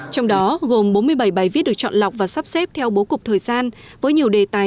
trong đó gồm bốn mươi bảy bài viết được chọn lọc và sắp xếp theo bố cục thời gian với nhiều đề tài